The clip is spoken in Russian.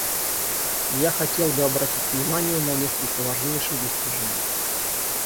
Я хотел бы обратить внимание на несколько важнейших достижений.